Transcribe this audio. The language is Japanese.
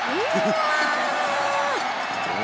うわ。